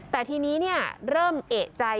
แต่ทีนี้เริ่มเอกใจ